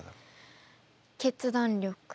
決断力。